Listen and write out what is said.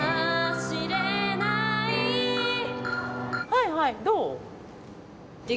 はいはいどう？